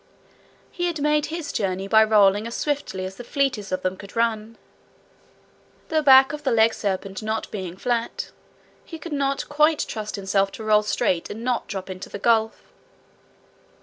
He had made his journey by rolling as swiftly as the fleetest of them could run. The back of the legserpent not being flat, he could not quite trust himself to roll straight and not drop into the gulf.